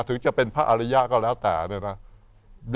ถึงจะเป็นพระอริยะก็แล้วแต่เนี่ยนะ